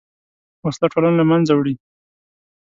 وسله ټولنه له منځه وړي